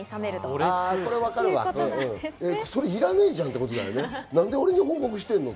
いらねえじゃんってことだよね。